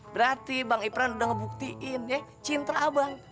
berarti bang ipran udah ngebuktiin ya cinta abang